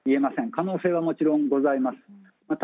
可能性はもちろんございます。